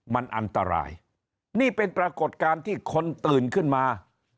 มันอันตรายนี่เป็นปรากฏการณ์ที่คนตื่นขึ้นมา